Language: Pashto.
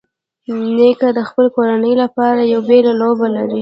نیکه د خپلې کورنۍ لپاره یو بېلې لوبه لري.